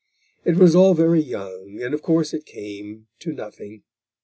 It was all very young, and of course it came to nothing.